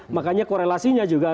makanya korelasinya juga